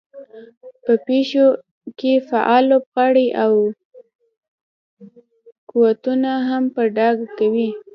په پېښو کې فعال لوبغاړي او قوتونه هم په ډاګه کوي.